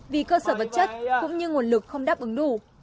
vì cơ sở vật chất cũng như nguồn lực không đáp ứng đủ